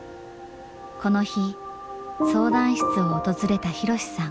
この日相談室を訪れた博さん。